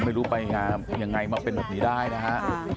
ไม่รู้ไปงามยังไงมาเป็นแบบนี้ได้นะฮะ